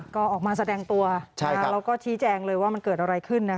ก็ออกมาแสดงตัวแล้วก็ชี้แจงเลยว่ามันเกิดอะไรขึ้นนะ